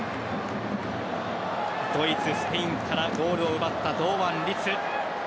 ドイツ、スペインからゴールを奪った堂安律。